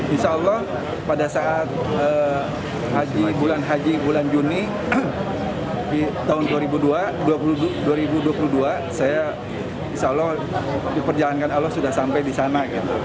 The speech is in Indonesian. insya allah pada saat bulan haji bulan juni tahun dua ribu dua puluh dua saya insya allah diperjalankan allah sudah sampai di sana